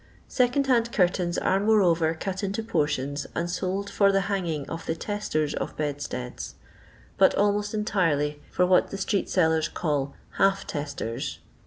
ISecond hand curtains are moreover cut into por tions and sold for the hanging of the testers of bedsteads, but almost entirely for what the street sellers call " half teesters.'